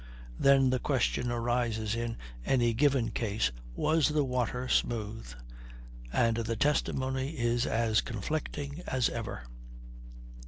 Then the question arises in any given case, was the water smooth? And the testimony is as conflicting as ever.